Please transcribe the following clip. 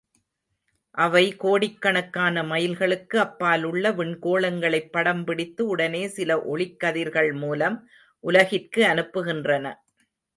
அவை கோடிக்கணக்கான மைல்களுக்கு அப்பாலுள்ள விண்கோளங்களை படம் பிடித்து உடனே சில ஒளிக்கதிர்கள் மூலம் உலகிற்கு அனுப்புகின்றன.